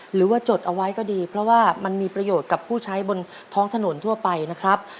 หรือว่าจดเอาไว้ก็ดีเพราะว่ามันมีประโยชน์กับผู้ใช้บนท้องถนนทั่วไปนะครับ